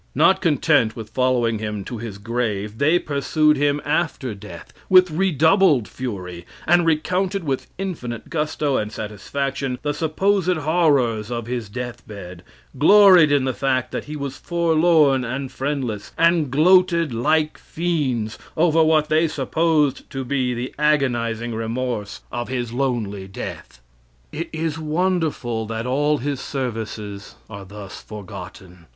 Not content with following him to his grave, they pursued him after death with redoubled fury, and recounted with infinite gusto and satisfaction the supposed horrors of his death bed: gloried in the fact that he was forlorn and friendless, and gloated like fiends over what they supposed to be the agonizing remorse of his lonely death. It is wonderful that all his services are thus forgotten.